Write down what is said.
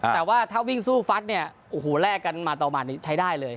แต่ว่าถ้าวิ่งสู้ฟัดเนี่ยแรกกันมาต่อมาใช้ได้เลย